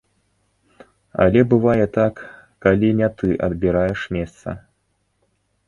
Але бывае так, калі не ты абіраеш месца.